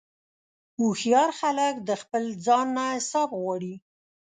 هوښیار خلک د خپل ځان نه حساب غواړي.